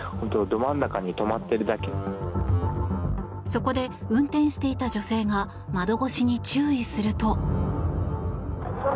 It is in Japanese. そこで、運転していた女性が窓越しに注意すると。